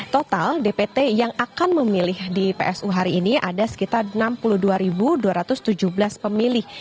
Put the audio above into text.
total dpt yang akan memilih di psu hari ini ada sekitar enam puluh dua dua ratus tujuh belas pemilih